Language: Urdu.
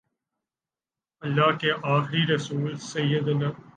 اللہ کے آخری رسول سیدنا